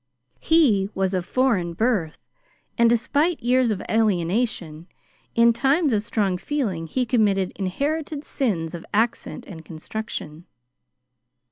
He was of foreign birth, and despite years of alienation, in times of strong feeling he committed inherited sins of accent and construction.